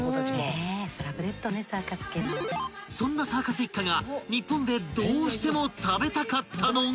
［そんなサーカス一家が日本でどうしても食べたかったのが］